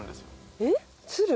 えっ？